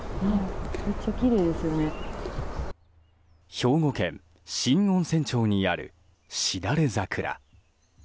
兵庫県新温泉町にあるしだれ桜。